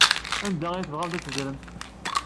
Anda ay tebɣamt ad teddremt?